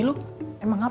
apa kalau saya kepo